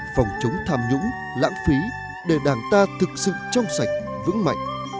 phòng chống tham nhũng lãng phí để đảng ta thực sự trong sạch vững mạnh